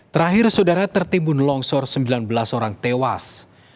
terakhir saudara tertimbun longsor sembilan belas orang tewas